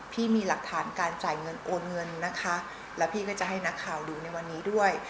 พี่มีหลักฐานการจ่ายเงินโอนเงินนะคะแล้วพี่ก็จะให้นักข่าวดูในวันนี้ด้วย